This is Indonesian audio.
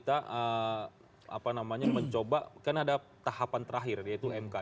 apa namanya mencoba kan ada tahapan terakhir yaitu mk